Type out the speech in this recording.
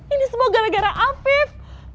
ini semua gara gara apif